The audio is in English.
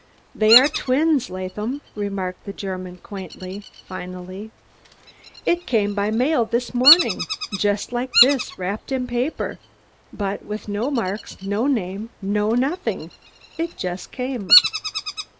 "Dey are dwins, Laadham," remarked the German quaintly, finally. "Id came by der mail in dis morning yust like das, wrapped in paper, but mit no marks, no name, no noddings. Id yust came!"